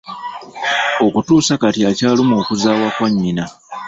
Okutuusa kati akyalumwa okuzaawa kwa nnyina.